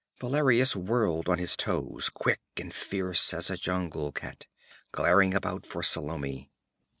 Valerius whirled on his toes, quick and fierce as a jungle cat, glaring about for Salome.